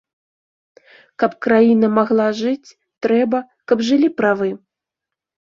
Каб краіна магла жыць, трэба, каб жылі правы.